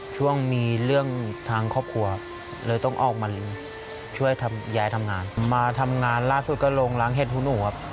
ช่วงมีเรื่องทางครอบครัวเลยต้องออกมาช่วยย้ายทำงานมาทำงานล่าสุดก็ลงล้างเห็ดของหนูครับ